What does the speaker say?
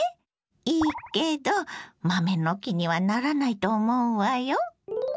いいけど豆の木にはならないと思うわよ。